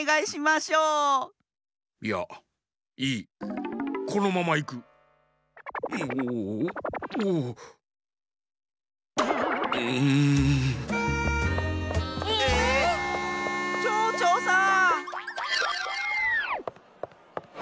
ちょうちょうさん！